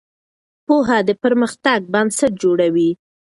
پوهه د پرمختګ بنسټ جوړوي.